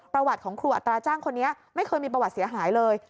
ประวัติของครูอัตราจ้างคนนี้ไม่เคยมีประวัติเสียหายเลย